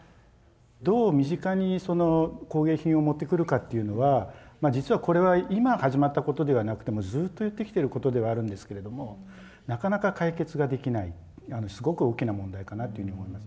どう身近にその工芸品を持ってくるかというのはまあ実はこれは今始まったことではなくてもうずっと言ってきてることではあるんですけれどもなかなか解決ができないすごく大きな問題かなというふうに思います。